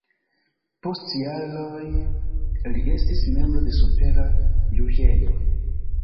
Post jaroj li estis membro de supera juĝejo.